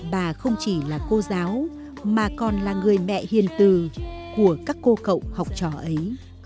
bà không chỉ là cô giáo mà còn là người mẹ hiền từ của các cô cậu học trò ấy